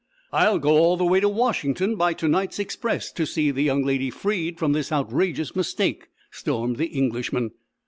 "I'll go all the way to Washington, by tonight's express, to see the young lady freed from this outrageous mistake," stormed the Englishman.